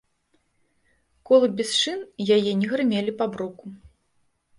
Колы без шын яе не грымелі па бруку.